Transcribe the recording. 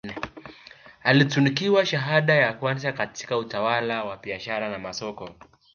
Alitunukiwa shahada ya kwanza katika utawala wa biashara na masoko